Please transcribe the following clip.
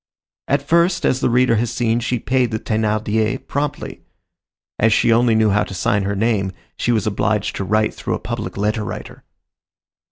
At first, as the reader has seen, she paid the Thénardiers promptly. As she only knew how to sign her name, she was obliged to write through a public letter writer.